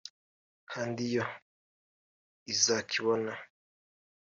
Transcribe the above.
kandi yo izakibona